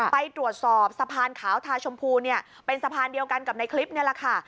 ไปตรวจสอบสะพานขาวทาชมพูเนี่ยเป็นสะพานเดียวกันกับในคลิปนี่แหละค่ะ